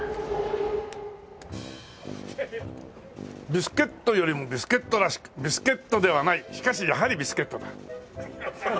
「ビスケットよりもビスケットらしくビスケットではないしかしやはりビスケットだ」